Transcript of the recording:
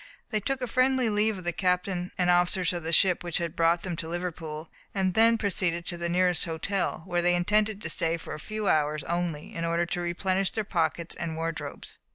They took a friendly leave of the captain and officers of the ship which had brought them to Liverpool, and then proceeded to the nearest hotel, where they intended to stay for a few hours only, in order to replenish their pockets and wardrobes.